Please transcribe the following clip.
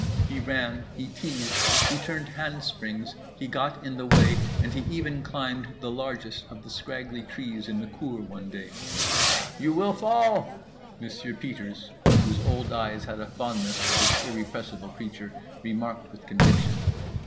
He ran, he teased, he turned handsprings, he got in the way, and he even climbed the largest of the scraggly trees in the cour one day. "You will fall," Monsieur Peters (whose old eyes had a fondness for this irrepressible creature) remarked with conviction.